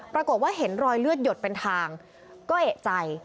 ปรากฏว่าเห็นรอยเลือดหยดเป็นทางก็เอกใจ